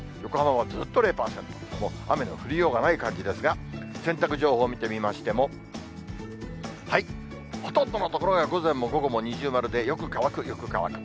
もう雨の降りようがない感じですが、洗濯情報を見てみましても、ほとんどの所が午前も午後も二重丸で、よく乾く、よく乾く。